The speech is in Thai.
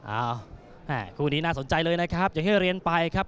อ้าวแม่คู่นี้น่าสนใจเลยนะครับอย่างที่เรียนไปครับ